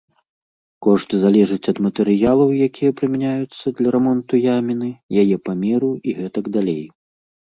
Кошт залежыць ад матэрыялаў, якія прымяняюцца для рамонту яміны, яе памеру і гэтак далей.